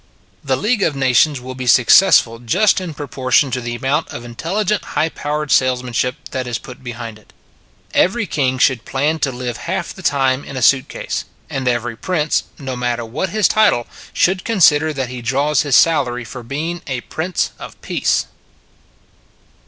The League of Nations will be success ful just in proportion to the amount of in telligent high powered salesmanship that is put behind it. Every king should plan to live half the time in a suit case; and every Prince, no matter what his title, should consider that he draws his salary for being a Prince of Peace.